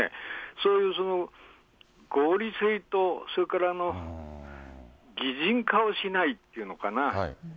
そういう、合理性と、それから、擬人化をしないっていうのかな。